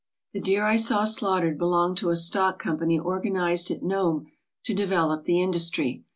The deer I saw slaughtered belonged to a stock com pany organized at Nome to develop the industry.